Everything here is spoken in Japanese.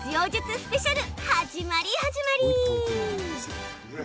スペシャル始まり始まり！